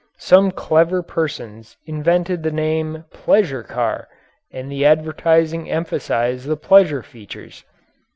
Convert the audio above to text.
Some clever persons invented the name "pleasure car" and the advertising emphasized the pleasure features.